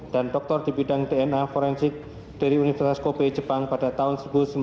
dan dokter di bidang dna forensik dari universitas kobe jepang pada tahun seribu sembilan ratus sembilan puluh lima